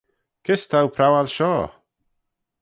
Kys t'ou prowal shoh?